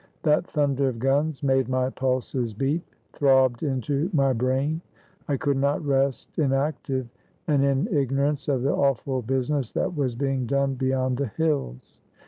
That thunder of guns made my pulses beat, throbbed into my brain. I could not rest inactive and in ignorance of the awful business that was being done beyond the hills.